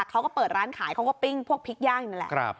เขาก็เปิดร้านขายเขาก็ปิ้งพวกพริกย่างนั่นแหละ